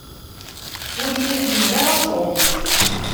Ur iyi-ḥemmel ara Tom.